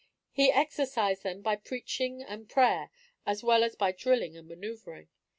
He exercised them by preaching and prayer as well as by drilling and manoeuvring.